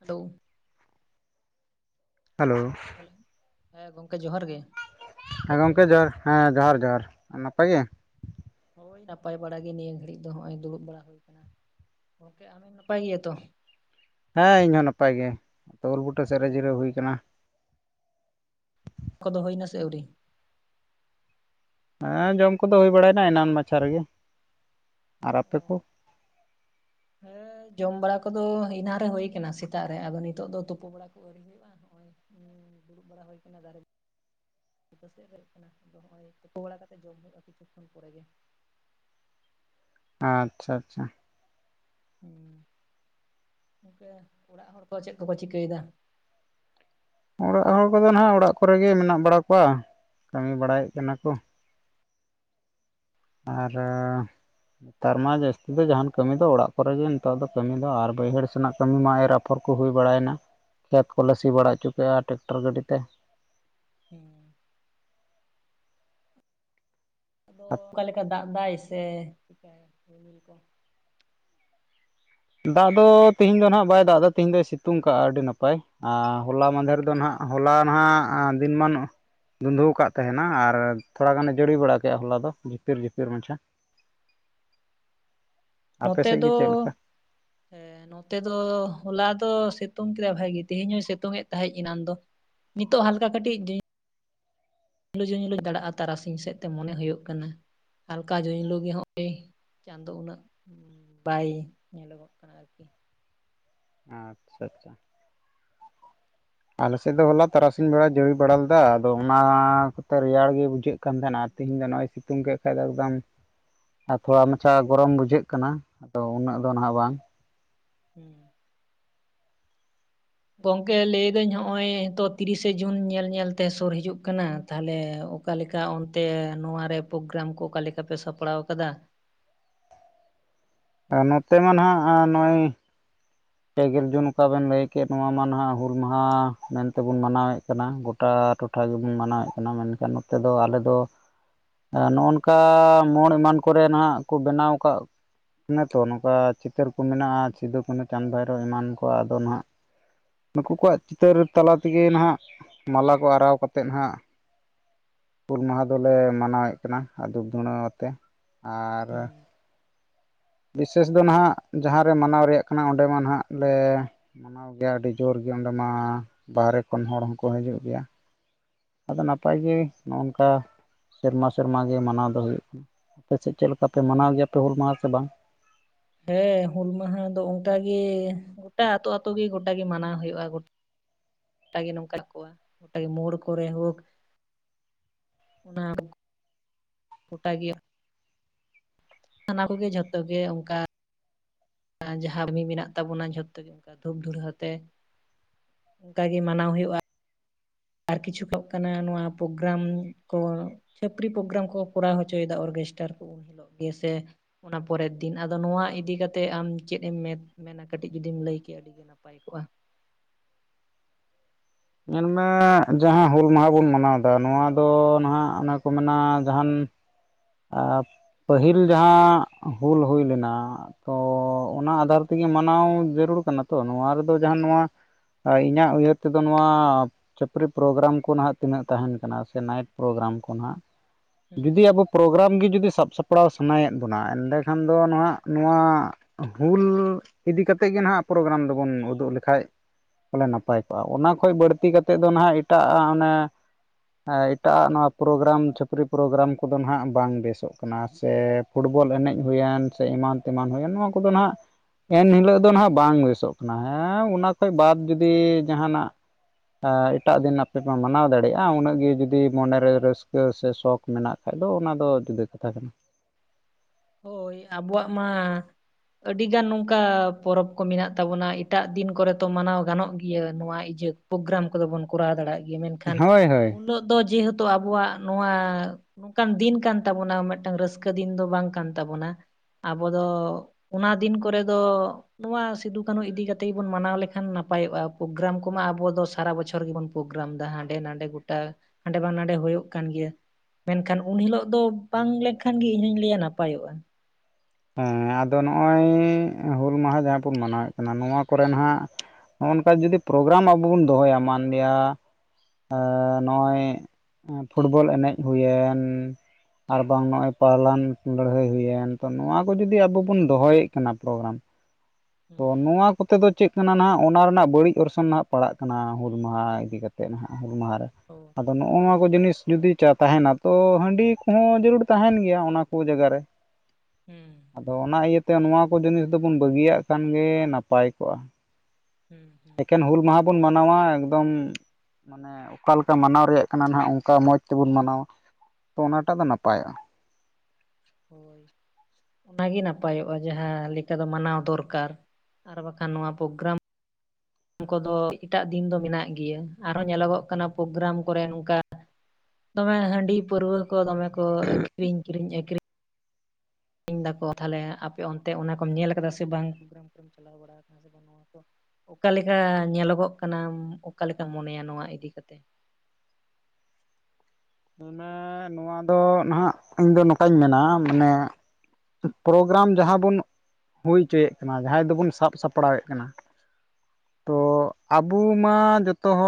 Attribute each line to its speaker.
Speaker 1: Hello,
Speaker 2: hello,
Speaker 1: hello ᱦᱮᱸ ᱜᱚᱝᱠᱮ ᱡᱚᱦᱟᱨ ᱜᱮ᱾
Speaker 2: ᱦᱮᱸ ᱜᱚᱢᱠᱮ ᱡᱚᱦᱟᱨ ᱦᱮᱸ ᱡᱚᱦᱟᱨ ᱡᱚᱦᱟᱨ ᱱᱟᱯᱟᱭ ᱜᱮ?
Speaker 1: ᱦᱳᱭ ᱱᱟᱯᱟᱭ ᱵᱟᱲᱟ ᱜᱮ ᱱᱤᱭᱟᱹ ᱜᱷᱟᱹᱲᱤᱡ ᱫᱚ, ᱱᱚᱜᱼᱚᱭ ᱫᱩᱲᱩᱵ ᱵᱟᱲᱟ ᱦᱩᱭ ᱠᱟᱱᱟ, ᱜᱚᱢᱠᱮ ᱟᱢᱮᱢ ᱱᱟᱯᱟᱭ ᱜᱮᱭᱟ ᱛᱚ?
Speaker 2: ᱦᱮᱸ ᱤᱧᱦᱚ ᱱᱟᱯᱟᱭ ᱜᱮ ᱟᱚ ᱩᱞ ᱵᱩᱴᱟᱹ ᱥᱮᱫ ᱨᱮ ᱡᱤᱨᱟᱹᱣ ᱦᱳᱭ ᱠᱟᱱᱟ?
Speaker 1: ᱠᱚᱫᱚ ᱦᱳᱭ ᱱᱟ ᱥᱮ ᱟᱹᱣᱨᱤ?
Speaker 2: ᱦᱮᱸ ᱡᱚᱢ ᱠᱚᱫᱚ ᱦᱩᱭ ᱵᱟᱲᱟᱭᱮᱱᱟ ᱮᱱᱟᱱ ᱢᱟᱪᱷᱟ ᱨᱮᱜᱮ᱾ ᱟᱨ ᱟᱯᱮ ᱠᱚᱫᱚ?
Speaker 1: ᱦᱮᱸ ᱡᱚᱢ ᱵᱟᱲᱟ ᱠᱚᱫᱚ ᱮᱱᱟᱱ ᱨᱮ ᱦᱩᱭ ᱠᱟᱱᱟ ᱥᱮᱛᱟᱜ ᱨᱮ ᱟᱫᱚ ᱱᱤᱛᱚᱜ ᱫᱚ ᱛᱩᱯᱩ ᱵᱟᱲᱟ ᱠᱚ ᱟᱣᱨᱤ ᱦᱩᱭᱩᱜ, ᱦ [unintelligible] ᱸᱫᱩᱲᱩᱵ ᱵᱟᱲᱟ ᱦᱩᱭ ᱠᱟᱱᱟ [unintelligible] ᱦᱩᱭᱩᱜ ᱠᱟᱱᱟ ᱟᱫᱚ ᱱᱚᱜᱼᱚᱭ ᱛᱩᱯᱩ ᱵᱟᱲᱟ ᱠᱟᱛᱮ ᱡᱚᱢ ᱦᱩᱭᱩᱜᱼᱟ ᱠᱤᱪᱷᱩ ᱠᱷᱚᱱ ᱯᱚᱨᱮ ᱜᱮ᱾
Speaker 2: ᱟᱪᱪᱷᱟ ᱟᱪᱪᱷᱟ,
Speaker 1: ᱦᱮᱸ ᱜᱚᱝᱠᱮ ᱚᱲᱟᱜ ᱦᱚᱲ ᱠᱚ ᱪᱮᱫ ᱠᱚᱠᱚ ᱪᱤᱠᱟᱹᱭ ᱮᱫᱟ?
Speaker 2: ᱚᱲᱟᱜ ᱦᱚᱲ ᱠᱚᱫᱚ ᱱᱟᱦᱟᱜ ᱚᱲᱟᱜ ᱠᱚᱨᱮ ᱜᱮ ᱢᱮᱱᱟᱜ ᱵᱟᱲᱟ ᱠᱚᱣᱟ, ᱠᱟᱹᱢᱤ ᱵᱟᱲᱟᱭᱮᱱᱟ ᱠᱚ᱾ ᱟᱨ ᱱᱮᱛᱟᱨ ᱢᱟ ᱡᱟᱹᱥᱛᱤ ᱫᱚ ᱡᱟᱦᱟᱱ ᱠᱟᱹᱢᱤ ᱫᱚ ᱚᱲᱟᱜ ᱠᱚᱨᱮ ᱜᱮ ᱱᱮᱛᱟᱨ ᱫᱚ ᱠᱟᱹᱢᱤ ᱫᱚ ᱟᱨ ᱵᱟᱹᱭᱦᱟᱹᱲ ᱥᱮᱱᱟᱜ ᱠᱟᱹᱢᱤ ᱢᱟ ᱮᱨ ᱟᱯ ᱯᱷᱚᱨ ᱠᱚ ᱦᱩᱭ ᱵᱟᱲᱟᱭ ᱮᱱᱟ, ᱠᱷᱮᱛ ᱠᱚᱞᱮ ᱥᱤ ᱵᱟᱲᱟ ᱚᱪᱚ ᱠᱮᱫᱼᱟ ᱴᱨᱟᱠᱴᱚᱨ ᱜᱟᱹᱰᱤ ᱛᱮ,
Speaker 1: ᱦᱮᱸ ᱟᱫᱚ ᱚᱠᱟ ᱞᱮᱠᱟ ᱫᱟᱜ ᱫᱟᱭ ᱥᱮ ᱪᱮᱫ ᱞᱮᱠᱟ ᱨᱤᱢᱤᱞ ᱠᱚ?
Speaker 2: ᱫᱟᱜ ᱫᱚ ᱛᱤᱦᱤᱧ ᱫᱚ ᱱᱟᱦᱟᱜ ᱵᱟᱭ ᱫᱟᱜ ᱫᱟ, ᱛᱮᱦᱮᱧ ᱫᱚᱭ ᱥᱤᱛᱩᱝ ᱠᱟᱦᱼᱟ ᱟᱹᱰᱤ ᱱᱟᱯᱟᱭ᱾ ᱟ ᱦᱚᱞᱟ ᱢᱟᱫᱷᱮᱨ ᱨᱮᱫᱚ ᱱᱟᱜ ᱦᱚᱞᱟ ᱱᱟᱦᱟᱜ ᱫᱤᱱᱟᱹᱢᱟᱱ ᱫᱩᱱᱫᱷᱩ ᱟᱠᱟᱫ ᱛᱟᱦᱮᱸᱱᱟ, ᱟᱨ ᱛᱷᱚᱲᱟ ᱜᱟᱱ ᱮ ᱫᱟᱜ ᱡᱟᱹᱲᱤ ᱵᱟᱲᱟ ᱠᱮᱜᱼᱟ ᱦᱚᱞᱟ ᱫᱚ ᱡᱷᱤᱯᱤᱨ ᱡᱷᱤᱯᱤᱨ ᱢᱟᱪᱷᱟ᱾ ᱟᱯᱮ
Speaker 1: ᱱᱚᱛᱮ
Speaker 2: ᱥᱮᱫ ᱜᱮ
Speaker 1: ᱫᱚ
Speaker 2: ᱪᱮᱫ ᱞᱮᱠᱟ
Speaker 1: ᱮ ᱱᱚᱛᱮ ᱫᱚ ᱦᱚᱞᱟ ᱫᱚ ᱥᱤᱛᱩᱝ ᱠᱮᱫᱟᱭ ᱵᱷᱟᱜᱤ ᱜᱮ ᱛᱮᱦᱮᱧ ᱦᱳᱭ ᱥᱤᱛᱩᱝ ᱮᱫ ᱛᱟᱦᱮᱸᱜ ᱮᱱᱟᱝ ᱫᱚ, ᱱᱤᱛᱚᱜ ᱦᱟᱞᱠᱟ ᱠᱟᱹᱴᱤᱡ ᱡᱩᱧᱞᱩ ᱡᱩᱧᱞᱩ ᱫᱟᱲᱟᱜᱼᱟ ᱛᱟᱨᱟᱥᱤᱧ ᱥᱮᱫ ᱛᱮ ᱢᱚᱱᱮ ᱦᱩᱭᱩᱜ ᱠᱟᱱᱟ, ᱦᱟᱞᱠᱟ ᱡᱩᱧᱞᱩ ᱜᱮ ᱱᱚᱜᱼᱚᱭ ᱪᱟᱸᱫᱚ ᱩᱱᱟᱹᱜ ᱵᱟᱭ ᱧᱮᱞᱚᱜᱼᱚᱜ ᱠᱟᱱᱟ ᱟᱨᱠᱤ ᱾
Speaker 2: ᱟᱪᱪᱷᱟ ᱟᱪᱪᱷᱟ, ᱟᱞᱮ ᱥᱮᱫ ᱫᱚ ᱦᱚᱞᱟ ᱛᱟᱨᱟᱥᱤᱧ ᱵᱮᱲᱟᱭ ᱡᱟᱹᱲᱤ ᱵᱟᱲᱟ ᱞᱮᱫᱟ ᱟᱫᱚ ᱚᱱᱟᱛᱮ ᱨᱮᱭᱟᱲ ᱜᱮ ᱵᱩᱡᱷᱟᱹᱜ ᱠᱟᱱ ᱛᱟᱦᱮᱸᱱᱟ ᱛᱮᱦᱮᱧ ᱫᱚ ᱱᱚᱜᱼᱚᱭ ᱥᱤᱛᱩᱝ ᱠᱮᱫ ᱠᱷᱟᱱ ᱫᱚ ᱮᱠᱫᱚᱢ ᱟᱨ ᱛᱷᱚᱲᱟ ᱢᱟᱪᱷᱟ ᱜᱚᱨᱚᱢ ᱵᱩᱡᱷᱟᱹᱜ ᱠᱟᱱᱟ ᱟᱫᱚ ᱩᱱᱟᱹᱜ ᱫᱚ ᱱᱟᱦᱟᱜ ᱵᱟᱝ᱾
Speaker 1: ᱦᱩᱸ, ᱜᱚᱝᱠᱮ ᱞᱟᱹᱭ ᱮᱫᱟᱹᱧ ᱱᱚᱜᱼᱚᱭ ᱱᱤᱛᱚᱜ ᱛᱤᱨᱤᱥ ᱮ ᱡᱩᱱ ᱧᱮᱞ ᱧᱮᱞ ᱛᱮ ᱥᱩᱨ ᱦᱤᱡᱩᱜ ᱠᱟᱱᱟ ᱛᱟᱦᱚᱞᱮ ᱚᱠᱟ ᱞᱮᱠᱟ ᱚᱱᱛᱮ ᱱᱚᱣᱟ ᱨᱮ ᱯᱨᱳᱜᱨᱟᱢ ᱠᱚ ᱚᱠᱟ ᱞᱮᱠᱟ ᱯᱮ ᱥᱟᱯᱲᱟᱣ ᱟᱠᱟᱫᱟ?
Speaker 2: ᱟᱨ ᱱᱚᱛᱮ ᱢᱟ ᱱᱟᱦᱟᱜ ᱱᱚᱜᱼᱚᱭ ᱯᱮ ᱜᱮᱞ ᱡᱩᱱ ᱚᱠᱟ ᱵᱮᱱ ᱞᱟᱹᱭ ᱠᱮᱫ, ᱱᱚᱣᱟ ᱢᱟ ᱱᱟᱦᱟᱜ ᱦᱩᱞ ᱢᱟᱦᱟ ᱢᱮᱱ ᱛᱮᱵᱚᱱ ᱢᱟᱱᱟᱣᱮᱫ ᱠᱟᱱᱟ, ᱜᱚᱴ ᱚ ᱴᱚᱴᱷᱟ ᱜᱮᱵᱚᱱ ᱢᱟᱱᱟᱣᱮᱫ ᱠᱟᱱᱟ ᱢᱮᱱᱠᱷᱟᱱ ᱱᱚᱛᱮ ᱫᱚ ᱟᱞᱮ ᱫᱚ ᱱᱚᱜᱼ ᱱᱚᱝᱠᱟ ᱢᱳᱬ ᱮᱢᱟᱱ ᱠᱚᱨᱮ ᱱᱟᱦᱟᱜ ᱠᱚ ᱵᱮᱱᱟᱣ ᱟᱠᱟᱫ ᱚᱱᱮ ᱛᱚ ᱱᱚᱝᱠᱟ ᱪᱤᱛᱟᱹᱨ ᱠᱚ ᱢᱮᱱᱟᱜᱼᱟ ᱥᱤᱫᱩ ᱠᱟᱹᱱᱦᱩ ᱪᱟᱸᱫᱽ ᱵᱷᱟᱭᱨᱳ ᱮᱢᱟᱱ ᱠᱚ ᱟᱫᱚ ᱱᱟᱜ ᱱᱩᱠᱩ ᱠᱚᱣᱟᱜ ᱪᱤᱛᱟᱹᱨ ᱛᱟᱞᱟ ᱛᱮᱜᱮ ᱱᱟᱦᱟᱜ ᱢᱟᱞᱟ ᱠᱚ ᱟᱨᱟᱣ ᱠᱟᱛᱮᱫ ᱱᱟᱦᱟᱜ ᱦᱩᱞ ᱢᱟᱦᱟ ᱫᱚᱞᱮ ᱢᱟᱱᱟᱣᱮᱫ ᱠᱟᱱᱟ ᱫᱩᱯ ᱫᱷᱩᱲᱟᱹᱣ ᱟᱛᱮ ᱟᱨ
Speaker 1: ᱦᱩᱸ
Speaker 2: ᱵᱤᱥᱮᱥ ᱫᱚ ᱱᱟᱦᱟᱜ ᱡᱟᱦᱟᱸᱨᱮ ᱢᱟᱱᱟᱣ ᱨᱮᱭᱟᱜ ᱠᱟᱱᱟ ᱚᱸᱰᱮ ᱢᱟ ᱱᱟᱦᱟᱜ ᱞᱮ ᱢᱟᱱᱟᱣ ᱜᱮᱭᱟ ᱟᱹᱰᱤ ᱡᱳᱨᱜᱮ ᱚᱸᱰᱮᱢᱟ ᱵᱟᱦᱨᱮ ᱠᱷᱚᱱ ᱦᱚᱲ ᱦᱚᱸᱠᱚ ᱦᱤᱡᱩᱜ ᱜᱮᱭᱟ᱾ ᱟᱫᱚ ᱱᱟᱯᱟᱭ ᱜᱮ ᱱᱚᱜ ᱱᱚᱝᱠᱟ ᱥᱮᱨᱢᱟ ᱥᱮᱨᱢᱟ ᱜᱮ ᱢᱟᱱᱟᱣ ᱫᱚ ᱦᱩᱭᱩᱜ ᱠᱟᱱᱟ᱾ ᱟᱯᱮ ᱥᱮᱫ ᱪᱮᱫ ᱞᱮᱠᱟ ᱯᱮ
Speaker 1: ᱦᱩᱸ
Speaker 2: ᱢᱟᱱᱟᱣ ᱜᱮᱭᱟ ᱦᱩᱞ ᱢᱟᱦᱟ ᱥᱮ ᱵᱟᱝ?
Speaker 1: ᱦᱮᱸ, ᱦᱩᱞ ᱢᱟᱦᱟ ᱫᱚ ᱚᱱᱠᱟᱜ ᱜᱮ ᱜᱚᱴᱟ ᱟᱛᱩ ᱟᱛᱩ ᱜᱮ ᱜᱚᱴᱟ ᱜᱮ ᱢᱟᱱᱟᱣ ᱦᱩᱭᱩᱜᱼᱟ, ᱜᱚᱴᱟᱜᱮ ᱱᱚᱝᱠᱟ ᱠᱟᱠᱩᱣᱟ [unintelligible] ᱜᱚᱴᱟ ᱜᱮ ᱢᱳᱲ ᱠᱚᱨᱮ ᱦᱳᱠᱼᱼ ᱚᱱᱟ ᱜᱚᱴᱟ ᱜᱮᱭᱟ [inaudible] ᱚᱱᱟ‌ ᱠᱚᱜᱮ ᱡᱷᱚᱛᱚ ᱜᱮ ᱚᱱᱠᱟ ᱡᱟᱦᱟᱸ ᱟᱨᱢᱤ ᱢᱮᱱᱟᱜ ᱛᱟᱵᱚᱱᱟ ᱡᱷᱚᱛᱚ ᱜᱮ ᱚᱱᱠᱟ ᱫᱷᱩᱯ ᱫᱷᱩᱲᱟᱹᱣ ᱟᱛᱮᱼᱼ ᱚᱱᱠᱟᱟᱜ ᱜᱮ ᱢᱟᱱᱟᱣ ᱦᱩᱭᱩᱜᱼᱟ᱾ ᱟᱨ ᱠᱤᱪᱷᱩ ᱠᱟᱱᱟ ᱱᱚᱣᱟ ᱯᱨᱳᱜᱨᱟᱢ ᱠᱚᱼᱼ ᱪᱷᱟᱯᱨᱤ ᱯᱨᱳᱜᱨᱟᱢ ᱠᱚ ᱠᱚᱨᱟᱣ ᱦᱚᱪᱚᱭ ᱮᱫᱟ ᱚᱨᱜᱮᱥᱴᱟᱨ ᱠᱚ ᱜᱮ ᱥᱮ ᱚᱱᱟ ᱯᱚᱨᱮᱨ ᱫᱤᱱ, ᱟᱫᱚ ᱱᱚᱣᱟ ᱤᱫᱤ ᱠᱟᱛᱮ ᱟᱢ ᱪᱮᱫ ᱮᱢ ᱢᱮᱱ ᱢᱮᱱᱟ, ᱠᱟᱹᱴᱤᱡ ᱡᱚᱫᱤᱢ ᱞᱟᱹᱭ ᱠᱮᱭᱟ ᱟᱹᱰᱤ ᱜᱮ ᱱᱟᱯᱟᱭ ᱠᱚᱜᱼᱟ?
Speaker 2: ᱧᱮᱞ ᱢᱮ ᱡᱟᱦᱟᱸ ᱦᱩᱞ ᱢᱟᱦᱟ ᱵᱚᱱ ᱢᱟᱱᱟᱣ ᱮᱫᱟ, ᱱᱚᱣᱟ ᱫᱚ ᱱᱟᱦᱟᱜ ᱚᱱᱮ ᱠᱚ ᱢᱮᱱᱟ ᱡᱟᱦᱟᱱ ᱮ ᱯᱟᱹᱦᱤᱞ ᱡᱟᱦᱟᱸ ᱦᱩᱞ ᱦᱩᱭ ᱞᱮᱱᱟ, ᱛᱚ ᱚᱱᱟ ᱟᱫᱷᱟᱨ ᱛᱮᱜᱮ ᱢᱟᱱᱟᱣ ᱡᱟᱹᱨᱩᱲ ᱠᱟᱱᱟ ᱛᱚ ᱱᱚᱣᱟ ᱨᱮᱫᱚ ᱡᱟᱦᱟᱸ ᱱᱚᱣᱟ ᱟᱨ ᱤᱧᱟᱹᱜ ᱩᱭᱦᱟᱹᱨ ᱛᱮᱫᱚ ᱱᱚᱣᱟ ᱪᱟᱹᱯᱨᱤ ᱯᱨᱳᱜᱨᱟᱢ ᱠᱚ ᱱᱟ-ᱦᱟᱸᱜ ᱛᱤᱱᱟᱹᱜ ᱛᱟᱦᱮᱱ ᱠᱟᱱᱟ ᱥᱮ ᱱᱟᱭᱤᱴ ᱯᱨᱳᱜᱨᱟᱢ ᱠᱚ ᱦᱟᱸᱜ ᱡᱩᱫᱤ ᱟᱵᱚ ᱯᱨᱳᱜᱨᱟᱢ ᱜᱮ ᱡᱩᱫᱤ ᱥᱟᱵ ᱥᱟᱯᱲᱟᱣ ᱥᱟᱱᱟᱭᱮᱫ ᱵᱚᱱᱟ ᱮᱸᱰᱮ ᱠᱷᱟᱱ ᱫᱚ ᱱᱷᱟᱜ ᱱᱚᱣᱟ ᱦᱩᱞ ᱤᱫᱤ ᱠᱟᱛᱮ ᱜᱮ ᱱᱷᱟᱜ ᱯᱨᱳᱜᱨᱟᱢ ᱫᱚ ᱵᱚᱱ ᱩᱫᱩᱜ ᱞᱮᱠᱷᱟᱡ ᱵᱚᱞᱮ ᱱᱟᱯᱟᱭ ᱠᱚᱜ-ᱟ ᱚᱱᱟ ᱠᱷᱚᱡ ᱵᱟᱹᱲᱛᱤ ᱠᱟᱛᱮ ᱫᱚ ᱱᱷᱟᱜ ᱮᱴᱟᱜ ᱚᱱᱮ ᱦᱮᱸ ᱮᱴᱟᱜ-ᱟᱜ ᱱᱚᱣᱟ ᱯᱨᱳᱜᱨᱟᱢ ᱪᱷᱟᱹᱯᱨᱤ ᱯᱨᱳᱜᱨᱟᱢ ᱠᱚ ᱫᱚ ᱫᱚ ᱱᱷᱟᱜ ᱵᱟᱝ ᱵᱮᱥᱚᱜ ᱠᱟᱱᱟ ᱥᱮ ᱯᱷᱩᱴᱵᱚᱞ ᱮᱱᱮᱡ ᱦᱩᱭ ᱮᱱ ᱥᱮ ᱮᱢᱟᱱ ᱛᱮᱢᱟᱱ ᱦᱩᱭ ᱮᱱ ᱱᱚᱣᱟ ᱠᱚᱫᱚ ᱱᱷᱟᱜ ᱮᱱ ᱦᱤᱞᱳᱜ ᱫᱚ ᱱᱷᱟᱜ ᱵᱟᱝ ᱵᱮᱥᱚᱜ ᱠᱟᱱᱟ ᱦᱮᱸ ᱚᱱᱟ ᱠᱷᱚᱡ ᱵᱟᱫ ᱡᱩᱫᱤ ᱡᱟᱦᱟᱸᱱᱟᱜ ᱮ ᱮᱴᱟᱜ ᱫᱤᱱ ᱟᱯᱮ ᱯᱮ ᱢᱟᱱᱟᱣ ᱫᱟᱲᱮᱭᱟᱜ-ᱟ ᱩᱱᱟᱹᱜ ᱜᱮ ᱡᱩᱫᱤ ᱢᱚᱱᱮ ᱨᱮ ᱨᱟᱹᱥᱠᱟᱹ ᱥᱮ ᱥᱚᱠ ᱢᱮᱱᱟᱜ ᱟᱫᱚ ᱚᱱᱟ ᱫᱚ ᱡᱩᱫᱟᱹ ᱠᱟᱛᱷᱟ ᱠᱟᱱᱟ
Speaker 1: ᱦᱳᱭ ᱟᱵᱚᱣᱟᱜ ᱢᱟ ᱟᱹᱰᱤ ᱜᱟᱱ ᱱᱚᱝᱠᱟ ᱯᱚᱨᱚᱵᱽ ᱠᱚ ᱢᱮᱱᱟᱜ ᱛᱟᱵᱚᱱᱟ ᱮᱴᱟᱜ ᱫᱤᱱ ᱠᱚ ᱨᱮ ᱛᱚ ᱢᱟᱱᱟᱣ ᱜᱟᱱᱚᱜ ᱜᱮᱭᱟ ᱱᱚᱣᱟ ᱤᱭᱟᱹ ᱯᱨᱳᱜᱨᱟᱢ ᱠᱚ ᱫᱚ ᱵᱚᱱ ᱠᱚᱨᱟᱣ ᱫᱟᱲᱮᱭᱟᱜ ᱜᱮᱭᱟ ᱢᱮᱱᱠᱷᱟᱱ
Speaker 2: ᱦᱳᱭ ᱦᱳᱭ
Speaker 1: ᱩᱱᱟᱹᱜ ᱫᱚ ᱡᱮᱦᱮᱛᱩ ᱟᱵᱚᱣᱟᱜ ᱱᱚᱣᱟ ᱱᱚᱝᱠᱟᱱ ᱫᱤᱱ ᱠᱟᱱ ᱛᱟᱵᱚᱱᱟ ᱢᱤᱫᱴᱟᱝ ᱨᱟᱹᱥᱠᱟᱹ ᱫᱤᱱ ᱫᱚ ᱵᱟᱝ ᱠᱟᱱ ᱛᱟᱵᱚᱱᱟ ᱟᱵᱚ ᱫᱚ ᱚᱱᱟ ᱫᱤᱱ ᱠᱚᱨᱮ ᱫᱚ ᱱᱚᱣᱟ ᱥᱤᱫᱩ ᱠᱟᱹᱱᱦᱩ ᱤᱫᱤ ᱠᱟᱛᱮ ᱜᱮᱵᱚᱱ ᱢᱟᱱᱟᱣ ᱞᱮᱠᱷᱟᱱ ᱱᱟᱯᱟᱭᱚᱜ-ᱟ ᱯᱨᱳᱜᱨᱟᱢ ᱠᱚᱢᱟ ᱟᱵᱚ ᱥᱟᱨ ᱵᱚᱪᱷᱚᱨ ᱜᱮᱵᱚᱱ ᱯᱨᱳᱜᱨᱟᱢ ᱮᱫᱟ ᱦᱟᱸᱰᱮ ᱱᱟᱰᱮ ᱜᱚᱴᱟ ᱦᱟᱸᱰᱮ ᱵᱟᱝ ᱱᱟᱰᱮ ᱦᱩᱭᱩᱜ ᱠᱟᱱ ᱜᱮᱭᱟ ᱢᱮᱱᱠᱷᱟᱱ ᱩᱱ ᱦᱤᱞᱚᱜ ᱫᱚ ᱵᱟᱝ ᱞᱮᱱᱠᱷᱟᱱ ᱜᱮ ᱤᱧ ᱦᱩᱧ ᱞᱟᱹᱭᱟ ᱱᱟᱯᱟᱭᱚᱜ-ᱟ
Speaker 2: ᱦᱮᱸ ᱟᱫᱚ ᱱᱚᱜ-ᱚᱭ ᱦᱩᱞ ᱢᱟᱦᱟ ᱡᱟᱦᱟᱸ ᱵᱚᱱ ᱢᱟᱱᱟᱣᱮᱫ ᱠᱟᱱᱟ ᱱᱚᱣᱟ ᱠᱚᱨᱮ ᱱᱟᱜ ᱱᱚᱜ-ᱚ ᱱᱚᱝᱠᱟ ᱡᱩᱫᱤ ᱯᱨᱳᱜᱨᱟᱢ ᱟᱵᱚ ᱵᱚᱱ ᱫᱚᱦᱚᱭᱟ ᱢᱟᱱᱞᱤᱭᱟ ᱱᱚᱜ-ᱚᱭ ᱯᱷᱩᱴᱵᱚᱞ ᱮᱱᱮᱡ ᱦᱩᱭᱮᱱ ᱟᱨ ᱵᱟᱝ ᱱᱚᱜ-ᱚᱭ ᱯᱟᱣᱞᱟᱱ ᱞᱟᱹᱲᱦᱟᱹᱭ ᱦᱩᱭ ᱮᱱ ᱛᱚ ᱱᱚᱣᱟ ᱠᱚ ᱡᱩᱫᱤ ᱟᱵᱚ ᱵᱚᱱ ᱫᱚᱦᱚᱭᱮᱫ ᱠᱟᱱᱟ ᱯᱨᱳᱜᱨᱟᱢ ᱛᱚ ᱱᱚᱣᱟ ᱠᱚᱛᱮ ᱫᱚ ᱪᱮᱫ ᱠᱟᱱᱟ ᱱᱟᱦᱟᱜ ᱚᱱᱟ ᱨᱮᱱᱟᱜ ᱵᱟᱹᱲᱤᱡ ᱚᱨᱥᱚᱝ ᱱᱟᱦᱟᱜ ᱯᱟᱲᱟᱜ ᱠᱟᱱᱟ ᱦᱩᱞ ᱢᱟᱦᱟ ᱤᱫᱤ ᱠᱟᱛᱮ ᱱᱷᱟᱜ ᱦᱩᱞ ᱢᱟᱦᱟ ᱨᱮ
Speaker 1: ᱦᱳᱭ
Speaker 2: ᱟᱫᱚ ᱱᱚᱜ-ᱚ ᱱᱚᱣᱟ ᱠᱚ
Speaker 1: ᱦᱳᱭ
Speaker 2: ᱡᱤᱱᱤᱥ ᱡᱩᱫᱤ ᱪᱟ ᱛᱟᱦᱮᱱᱟ ᱛᱚ ᱦᱟᱺᱰᱤ ᱠᱚᱦᱚᱸ ᱡᱟᱹᱨᱩᱲ ᱛᱟᱦᱮᱱ ᱜᱮᱭᱟ ᱚᱱᱟ ᱠᱚ ᱡᱟᱭᱜᱟ ᱨᱮ
Speaker 1: ᱦᱩᱸ
Speaker 2: ᱟᱫᱚ ᱚᱱᱟ ᱤᱭᱟᱹ ᱛᱮ ᱱᱚᱣᱟ ᱠᱚ ᱡᱤᱱᱤᱥ ᱫᱚ ᱵᱚᱱ ᱵᱟᱹᱜᱤᱭᱟᱜ ᱠᱷᱟᱱ ᱜᱮ ᱱᱟᱯᱟᱭ ᱠᱚᱜ-ᱟ
Speaker 1: ᱦᱩᱸ ᱦᱩᱸ
Speaker 2: ᱮᱠᱮᱱ ᱦᱩᱞ ᱢᱟᱦᱟ ᱵᱚᱱ ᱢᱟᱱᱟᱣᱟ ᱮᱠᱫᱚᱢ ᱢᱟᱱᱮ ᱚᱠᱟ ᱞᱮᱠᱟ ᱢᱟᱱᱟᱣ ᱨᱮᱭᱟᱜ ᱠᱟᱱᱟ ᱱᱷᱟᱜ ᱚᱱᱠᱟ ᱢᱚᱡᱽ ᱛᱮᱵᱚᱱ ᱢᱟᱱᱟᱣᱟ ᱛᱚ ᱚᱱᱟ ᱴᱟᱜ ᱫᱚ ᱱᱟᱯᱟᱭᱚᱜᱼᱟ
Speaker 1: ᱦᱚᱭ ᱚᱱᱟ ᱜᱮ ᱱᱟᱯᱟᱭᱚᱜᱼᱟ ᱡᱟᱦᱟᱸ ᱞᱮᱠᱟ ᱫᱚ ᱢᱟᱱᱟᱣ ᱫᱚᱨᱠᱟᱨ ᱟᱨ ᱵᱟᱠᱷᱟᱱ ᱱᱚᱣᱟ ᱯᱨᱳᱜᱨᱟ ᱠᱚ ᱫᱚ ᱮᱴᱟᱜ ᱫᱤᱱ ᱫᱚ ᱢᱮᱱᱟᱜ ᱜᱮᱭᱟ ᱟᱨᱦᱚᱸ ᱧᱮᱞᱚᱜᱚᱜ ᱠᱟᱱᱟ ᱯᱨᱳᱜᱨᱟᱢ ᱠᱚ ᱨᱮ ᱱᱚᱝᱠᱟ ᱫᱚᱢᱮ ᱦᱟᱺᱰᱤ ᱯᱟᱹᱨᱣᱟᱹ ᱠᱚ ᱫᱚᱢᱮ ᱠᱚ ᱟᱹᱠᱷᱨᱤᱧ ᱠᱤᱨᱤᱧ ᱟᱹᱠᱷᱨᱤᱧ ᱮᱫᱟ ᱠᱚ ᱛᱟᱦᱚᱞᱮ ᱟᱯᱮ ᱚᱱᱛᱮ ᱚᱱᱟ ᱠᱚᱢ ᱧᱮᱞ ᱟᱠᱟᱫᱟ ᱥᱮ ᱵᱟᱝ ᱯᱨᱳᱜᱨᱟᱢ ᱠᱚᱨᱮᱢ ᱪᱟᱞᱟᱣ ᱵᱟᱲᱟ ᱟᱠᱟᱱᱟ ᱚᱠᱟ ᱞᱮᱠᱟ ᱧᱮᱞᱚᱜᱚᱜ ᱠᱟᱱᱟ ᱚᱠᱟ ᱞᱮᱠᱟᱢ ᱢᱚᱱᱮᱭᱟ ᱱᱚᱣᱟ ᱤᱫᱤ ᱠᱟᱛᱮ?
Speaker 2: ᱢᱮᱱᱢᱮ ᱱᱚᱣᱟ ᱫᱚ ᱱᱷᱟᱜ ᱤᱧ ᱫᱚ ᱱᱚᱠᱟᱧ ᱢᱮᱱᱟ ᱢᱟᱱᱮ ᱯᱨᱳᱜᱨᱟᱢ ᱡᱟᱦᱟᱸ ᱵᱚᱱ ᱦᱩᱭ ᱚᱪᱚᱭᱮᱜ ᱠᱟᱱᱟ ᱡᱟᱦᱟᱸᱭ ᱫᱚᱵᱚᱱ ᱥᱟᱵ ᱥᱟᱯᱲᱟᱣᱮᱫ ᱠᱟᱱᱟ
Speaker 1: [inaudible]
Speaker 2: ᱟᱵᱩ ᱢᱟ ᱡᱷᱚᱛᱚ ᱦᱚᱲ